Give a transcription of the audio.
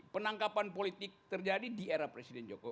penangkapan politik terjadi di era presiden jokowi